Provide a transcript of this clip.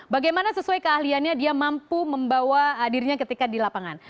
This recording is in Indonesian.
bagaimana sesuai keahliannya dia mampu membawa hadirnya ketika di lapangan